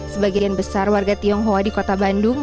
sebagian besar warga tionghoa di kota bandung